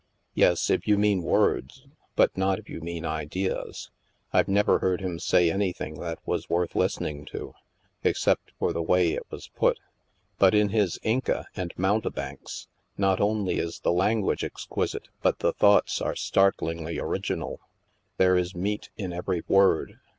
" Yes, if you mean words, but not if you mean ideas. I've never heard him say an3rthing that was worth listening to, except for the way it was put. But in his ' Inca ' and * Mountebanks,' not only is the language exquisite, but the thoughts are star tlingly original. There is meat in every word.